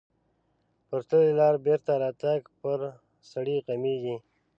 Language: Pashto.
پر تللې لارې بېرته راتګ پر سړي غمیږي.